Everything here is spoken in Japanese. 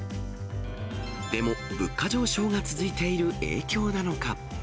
でも物価上昇が続いている影響なのか。